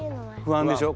不安でしょ？